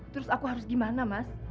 terus aku harus gimana mas